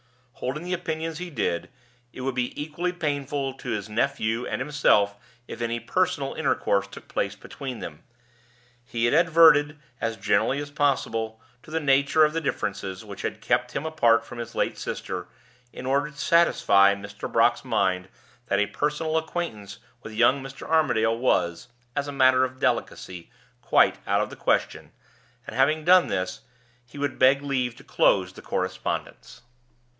Holding the opinions he did, it would be equally painful to his nephew and himself if any personal intercourse took place between them. He had adverted, as generally as possible, to the nature of the differences which had kept him apart from his late sister, in order to satisfy Mr. Brock's mind that a personal acquaintance with young Mr. Armadale was, as a matter of delicacy, quite out of the question and, having done this, he would beg leave to close the correspondence.